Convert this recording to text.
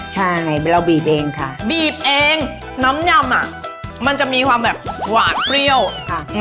ใช่เราบีบเองค่ะบีบเองน้ำยำอ่ะมันจะมีความแบบหวานเปรี้ยวค่ะ